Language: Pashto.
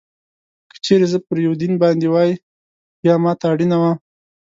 که چېرې زه پر یوه دین باندې وای، بیا ما ته اړینه وه.